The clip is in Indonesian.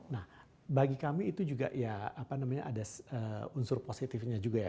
nah bagi kami itu juga ya apa namanya ada unsur positifnya juga ya